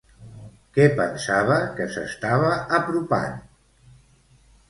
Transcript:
Què pensava que s'estava apropant?